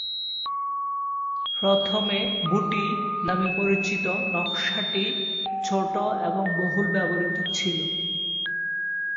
প্রথমে "বুটি" নামে পরিচিত নকশাটি ছোট এবং বহুল ব্যবহৃত ছিল।